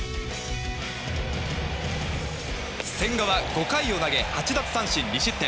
千賀は５回を投げ８奪三振２失点。